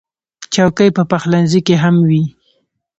چوکۍ په پخلنځي کې هم وي.